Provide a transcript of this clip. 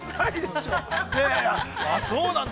あっ、そうなんだ。